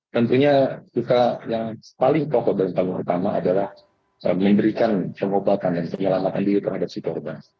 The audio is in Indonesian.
tentunya juga yang paling pokok dan tanggung pertama adalah memberikan cemobakan yang terjelamatkan diri terhadap si korban